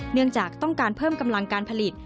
เนื่องจากต้องการเพิ่มกำลังการผลิต